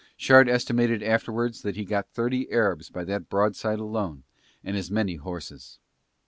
Shard estimated afterwards that he got thirty Arabs by that broadside alone and as many horses.